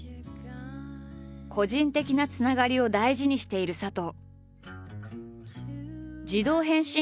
個人的なつながりを大事にしている佐藤。